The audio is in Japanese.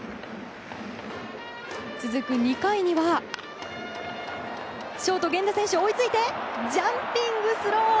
続く２回にはショート源田選手、追いついてジャンピングスロー！